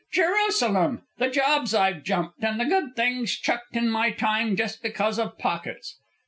Jerusalem! the jobs I've jumped and the good things chucked in my time, just because of pockets!